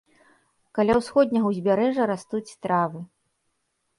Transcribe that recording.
Каля ўсходняга ўзбярэжжа растуць травы.